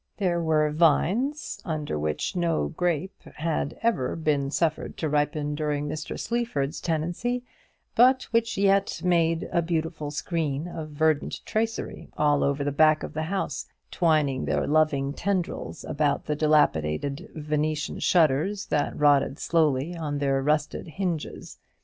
There were vines, upon which no grape had ever been suffered to ripen during Mr. Sleaford's tenancy, but which yet made a beautiful screen of verdant tracery all over the back of the house, twining their loving tendrils about the dilapidated Venetian shutters, that rotted slowly on their rusted hinges.